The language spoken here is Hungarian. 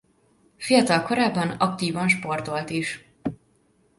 Fiatal korában aktívan sportolt is.